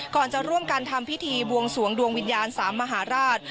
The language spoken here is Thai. ก่อนจะร่วมกันทำพิธีบวงสวงดวงวิญญาณสามมหาราช